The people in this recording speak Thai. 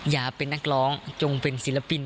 อยากเป็นนักร้องจงเป็นศิลปิน